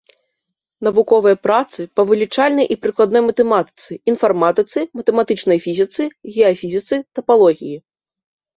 Навуковыя працы па вылічальнай і прыкладной матэматыцы, інфарматыцы, матэматычнай фізіцы, геафізіцы, тапалогіі.